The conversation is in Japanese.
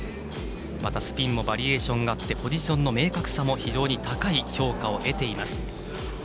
スピンもバリエーションがあってポジションの明確さも非常に高い評価を得ています。